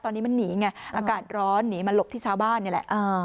ตอนนี้มันหนีไงอากาศร้อนหนีมาหลบที่ชาวบ้านนี่แหละ